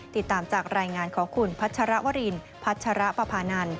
ติดตามจากรายงานของคุณพัชรวรินพัชรปภานันท